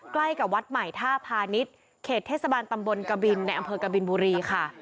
ใกล้กับวัดใหม่ท่าพาณิชย์เขตเทศบาลตำบลกบินในอำเภอกบินบุรีค่ะ